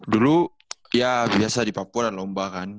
dulu ya biasa di papua ada lomba kan